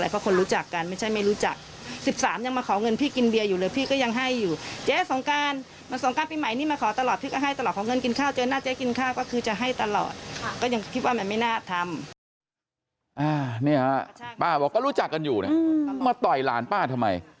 ป้าบอกก็รู้จักกันอยู่มาต่อยหลานป้าทำไม